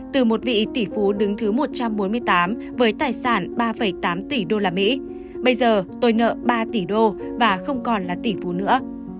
từ một vị tỷ phú đứng thứ một trăm bốn mươi tám với tài sản ba tám tỷ usd bây giờ tôi nợ ba tỷ đô và không còn là tỷ phú nữa